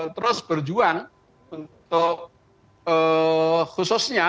terus berjuang untuk khususnya